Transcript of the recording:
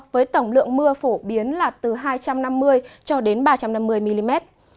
với tổng lượng mưa phổ biến là từ hai trăm năm mươi cho đến ba trăm năm mươi mm